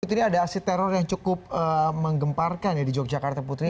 pertama kali ini ada aksi teror yang cukup menggemparkan di yogyakarta putri